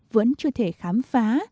vẫn chưa thể khám phá